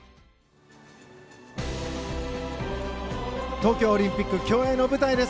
東京オリンピック競泳の舞台です。